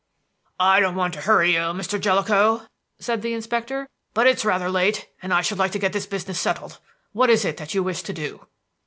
"I don't want to hurry you, Mr. Jellicoe," said the inspector, "but it's rather late, and I should like to get this business settled. What is it that you wish to do?"